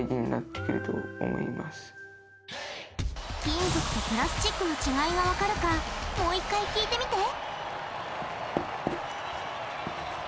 金属とプラスチックの違いが分かるかもう一回聞いてみて。